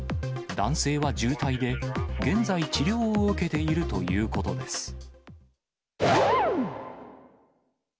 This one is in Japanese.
男性は重体で、現在、治療を受けているということです。